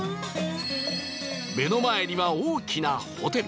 目の前には大きなホテル